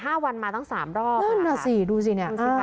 ห้าวันมาตั้งสามรอบนั่นน่ะสิดูสิเนี่ยสิคะ